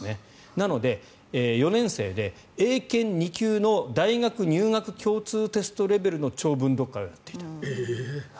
なので、４年生で英検２級の大学入学共通テストレベルの長文読解をやっていた。